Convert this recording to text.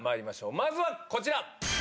まずはこちら。